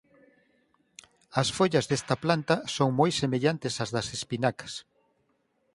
As follas desta planta son moi semellantes ás das espinacas.